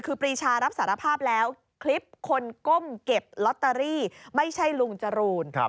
คือปรีชารับสารภาพแล้วคลิปคนก้มเก็บลอตเตอรี่ไม่ใช่ลุงจรูน